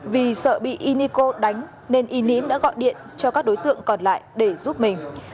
vì sợ bị unico đánh nên y ním đã gọi điện cho các đối tượng còn lại để giúp mình